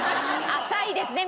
「浅いですね」